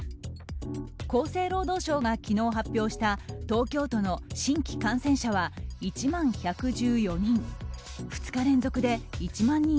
厚生労働省が昨日、発表した東京都の新規感染者は１万１１４人。